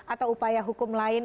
atau upaya hukum lain